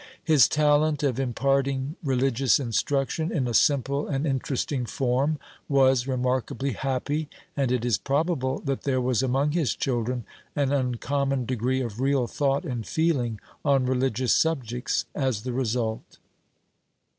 His talent of imparting religious instruction in a simple and interesting form was remarkably happy, and it is probable that there was among his children an uncommon degree of real thought and feeling on religious subjects as the result.